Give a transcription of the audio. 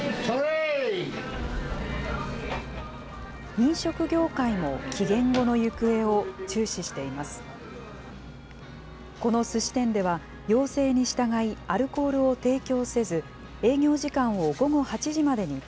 飲食業界も、期限後の行方を注視しています。